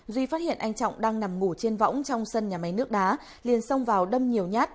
duy phát hiện anh trọng đang nằm ngủ trên võng trong sân nhà máy nước đá liền xông vào đâm nhiều nhát